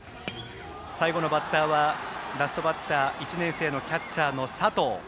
最後のバッターはラストバッター１年生のキャッチャーの佐藤。